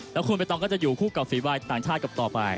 แล้วคุณใบตองก็จะอยู่คู่กับฝีวายต่างชาติกับต่อไป